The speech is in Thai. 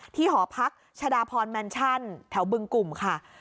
หอพักชาดาพรแมนชั่นแถวบึงกลุ่มค่ะ